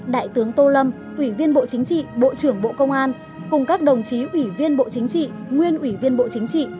đại tướng tô lâm ủy viên bộ chính trị bộ trưởng bộ công an cùng các đồng chí ủy viên bộ chính trị nguyên ủy viên bộ chính trị